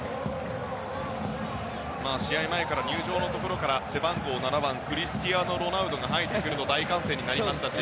試合前から、入場のところから背番号７番クリスティアーノ・ロナウドが入ってくると大歓声になりましたし